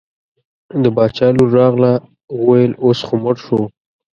د باچا لور راغله وویل اوس خو مړ شو.